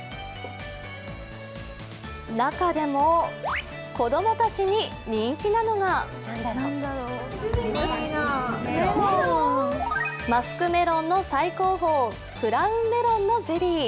中でも子供たちに人気なのがマスクメロンの最高峰、クラウンメロンのゼリー。